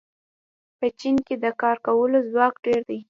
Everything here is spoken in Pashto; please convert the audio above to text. په چین کې د کار کولو ځواک ډېر دی.